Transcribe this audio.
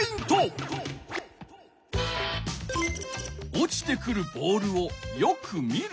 落ちてくるボールをよく見る。